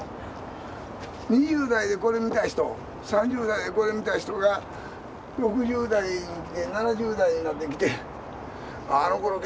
２０代でこれ見た人３０代でこれ見た人が６０代７０代になってきてあのころ元気やったなと。